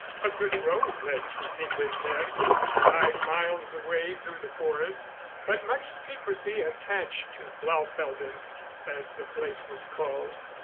A good road led to Windenberg five miles away through the forest, but much secrecy attached to Blaufelden, as the place was called.